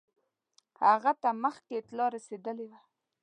هغه ته مخکي اطلاع رسېدلې وه.